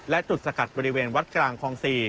และจุดสกัดบริเวณวัดกลางคลอง๔